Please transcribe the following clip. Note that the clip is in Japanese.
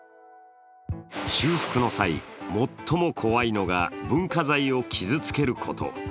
修復の際、最も怖いのが文化財を傷つけること。